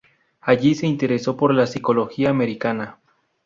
Allí se interesó por la psicología americana.